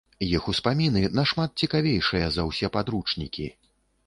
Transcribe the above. Іх успаміны нашмат цікавейшыя за ўсе падручнікі!